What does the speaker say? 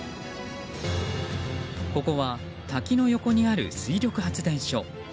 ここは、滝の横にある水力発電所。